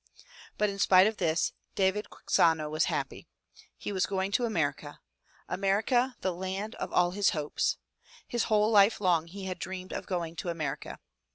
But in spite of this, David Quixano was happy. He was going to America — America, the land of all his hopes! His whole life long he had dreamed of going to America.